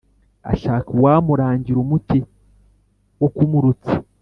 ashaka uwamurangira umuti wo kumurutsa.